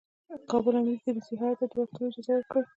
کابل امیر دي روسي هیات ته د ورتلو اجازه ورکړي.